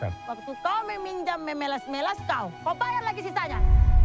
waktu kau meminjam memelas melas kau kau bayar lagi sisanya